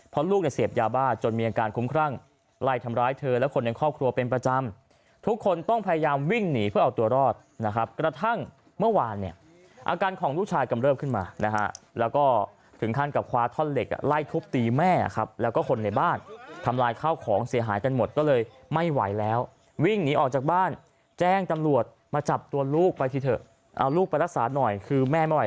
เพราะลูกเนี่ยเสพยาบ้าจนมีอาการคุ้มครั่งไล่ทำร้ายเธอและคนในครอบครัวเป็นประจำทุกคนต้องพยายามวิ่งหนีเพื่อเอาตัวรอดนะครับกระทั่งเมื่อวานเนี่ยอาการของลูกชายกำเลิฟขึ้นมานะฮะแล้วก็ถึงขั้นกับคว้าท่อนเหล็กอ่ะไล่ทุบตีแม่ครับแล้วก็คนในบ้านทำร้ายข้าวของเสียหายกันหมดก็เลยไม่ไหวแล้